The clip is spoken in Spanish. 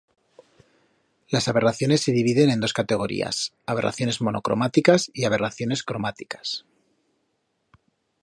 Las aberraciones se dividen en dos categorías: aberraciones monocromáticas y aberraciones cromáticas.